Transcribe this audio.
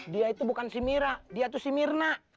dia itu bukan si mira dia itu si mirna